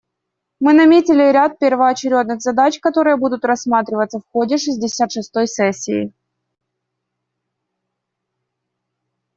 Мы наметили ряд первоочередных задач, которые будут рассматриваться в ходе шестьдесят шестой сессии.